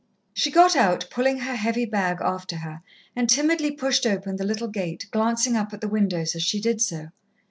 She got out, pulling her heavy bag after her, and timidly pushed open the little gate, glancing up at the windows as she did so.